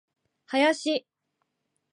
林